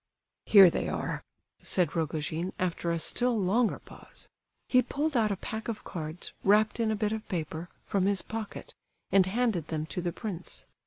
"Here they are," said Rogojin, after a still longer pause. He pulled out a pack of cards, wrapped in a bit of paper, from his pocket, and handed them to the prince.